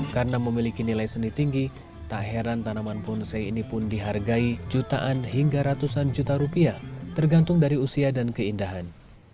karena memiliki nilai seni tinggi tak heran tanaman bonsai ini pun dihargai jutaan hingga ratusan juta rupiah tergantung dari usia dan keindahan